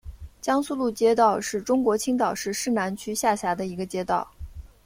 江苏路街道是中国青岛市市南区下辖的一个街道。